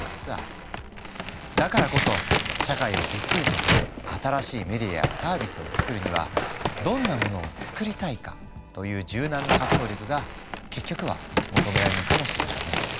だからこそ社会をびっくりさせる新しいメディアやサービスを作るにはどんなものを作りたいかという柔軟な発想力が結局は求められるのかもしれないね。